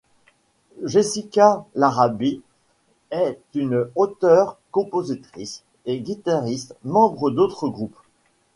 Jessica Larrabee est une auteure-compositrice et guitariste, membre d'autres groupes.